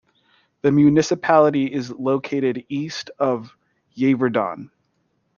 The municipality is located east of Yverdon.